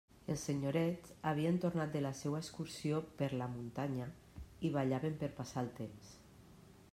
Els senyorets havien tornat de la seua excursió per «la muntanya», i ballaven per passar el temps.